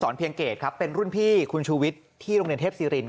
เพียงเกตครับเป็นรุ่นพี่คุณชูวิทย์ที่โรงเรียนเทพศิริน